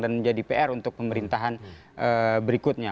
dan menjadi pr untuk pemerintahan berikutnya